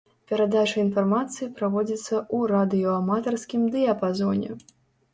Перадача інфармацыі праводзіцца ў радыёаматарскім дыяпазоне.